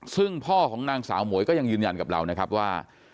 ซึ่งพ่อของนางสาวหมวยก็ยังยืนยันกับเรานะครับว่า